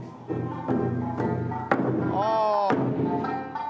ああ！